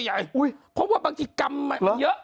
โอ้ยเพราะว่าบางทีกรรมเยอะ